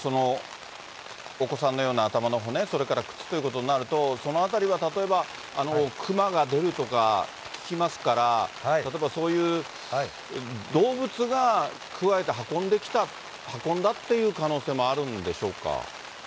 お子さんのような頭の骨、それから靴ということになると、その辺りは例えば、熊が出るとか聞きますから、例えば、そういう動物がくわえて運んできた、運んだっていう可能性もあるんでしょうか？